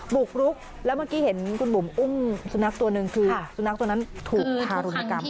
บุกรุกแล้วเมื่อกี้เห็นคุณบุ๋มอุ้มสุนัขตัวหนึ่งคือสุนัขตัวนั้นถูกทารุณกรรม